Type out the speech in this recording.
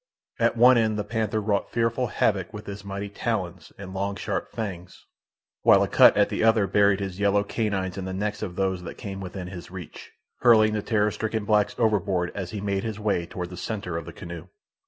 At one end the panther wrought fearful havoc with his mighty talons and long, sharp fangs, while Akut at the other buried his yellow canines in the necks of those that came within his reach, hurling the terror stricken blacks overboard as he made his way toward the centre of the canoe.